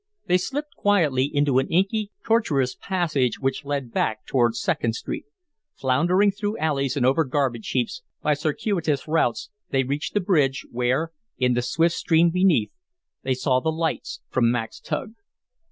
They slipped quietly into an inky, tortuous passage which led back towards Second Street. Floundering through alleys and over garbage heaps, by circuitous routes, they reached the bridge, where, in the swift stream beneath, they saw the lights from Mac's tug.